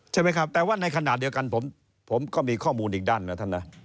ใช่ไหมครับแต่ว่าในขณะเดียวกันผมก็มีข้อมูลอีกด้านนะท่านนะ